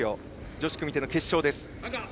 女子組手の決勝です。